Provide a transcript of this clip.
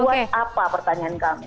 buat apa pertanyaan kami